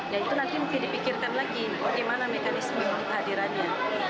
ya itu nanti mungkin dipikirkan lagi bagaimana mekanisme hadirannya